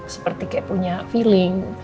seperti punya feeling